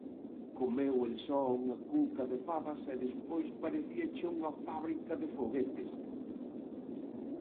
Comeu el só unha cunca de fabas e despois parecíache unha fábrica de foguetes.